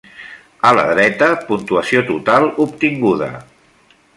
A la dreta, puntuació total obtinguda.